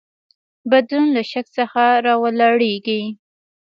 بدلون له شک څخه راولاړیږي.